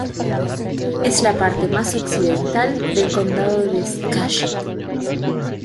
Es la parte más occidental del condado de Skagit.